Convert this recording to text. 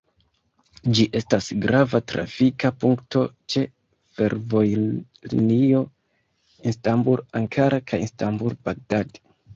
Ĝi estas grava trafika punkto ĉe fervojlinio Istanbul–Ankara kaj Istanbul–Bagdad.